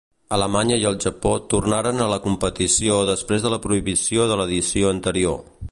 Alemanya i el Japó tornaren a la competició després de la prohibició de l'edició anterior.